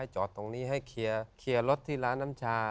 จอดตรงนี้ให้เคลียร์รถที่ร้านน้ำชา